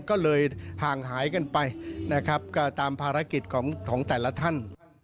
ก็เลยห่างหายกันไปนะครับก็ตามภารกิจของแต่ละท่าน